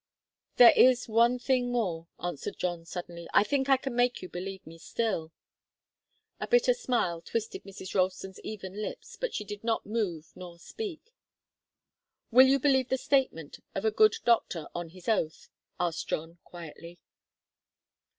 "There is one thing more," answered John, suddenly. "I think I can make you believe me still." A bitter smile twisted Mrs. Ralston's even lips, but she did not move nor speak. "Will you believe the statement of a good doctor on his oath?" asked John, quietly.